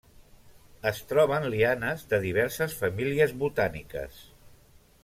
Es troben lianes de diverses famílies botàniques.